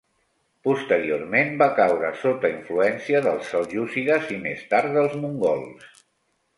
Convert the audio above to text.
Posteriorment va caure sota influència dels seljúcides, i més tard dels mongols.